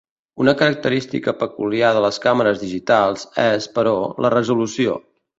Una característica peculiar de les càmeres digitals és, però, la resolució.